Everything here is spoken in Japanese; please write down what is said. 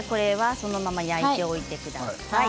そのまま焼いておいてください。